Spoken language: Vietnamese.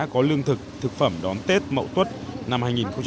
có lương thực thực phẩm đón tết mậu tuất năm hai nghìn một mươi tám